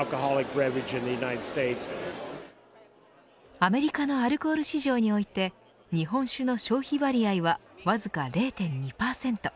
アメリカのアルコール市場において日本酒の消費割合はわずか０．２％。